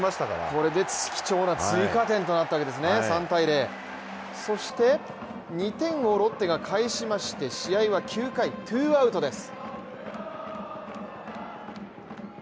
これで貴重な追加点となったわけですからね、３−０そして２点をロッテが９回、ツーアウトです。